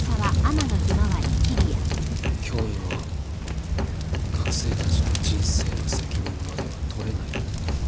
教員は学生たちの人生の責任までは取れない。